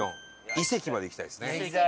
井関まで行きたいですね。